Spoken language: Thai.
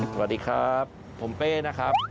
สวัสดีครับผมเป้นะครับ